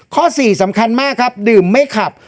ข้อสี่สำคัญมากครับดื่มไม่ขับ